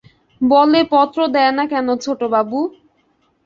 বলে পত্র দেয় না কেন ছোটবাবু?